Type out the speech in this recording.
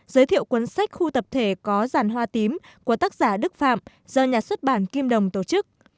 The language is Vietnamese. giới thiệu cuốn sách khu tập thể có dàn hoa tím của tác giả đức phạm do nhà xuất bản kim đồng tổ chức